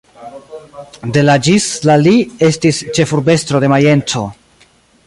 De la ĝis la li estis ĉefurbestro de Majenco.